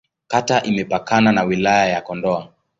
Kata imepakana na Wilaya ya Kondoa.